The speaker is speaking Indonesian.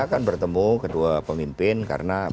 saya kan bertemu kedua pemimpin karena